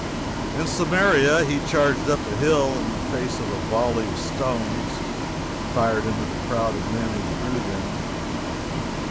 In Samaria, he charged up a hill, in the face of a volley of stones; he fired into the crowd of men who threw them.